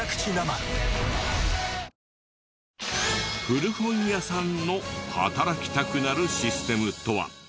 古本屋さんの働きたくなるシステムとは？